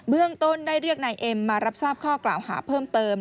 เรื่องต้นได้เรียกนายเอ็มมารับทราบข้อกล่าวหาเพิ่มเติม